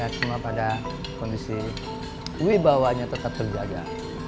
semua pada kondisi wibawanya tetap terjaga